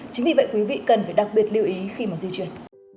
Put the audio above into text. chính vì vậy quý vị cần phải đặc biệt lưu ý khi mà di chuyển